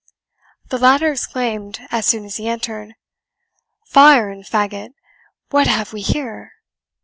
The latter exclaimed, as soon as he entered, "Fire and fagot! what have we here?"